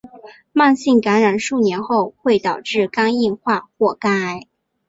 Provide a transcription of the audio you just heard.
慢性感染数年后会导致肝硬化或肝癌。